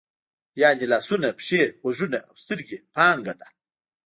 یعنې لاسونه، پښې، غوږونه او سترګې یې پانګه ده.